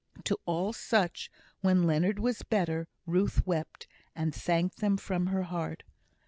To all such, when Leonard was better, Ruth went, and thanked them from her heart.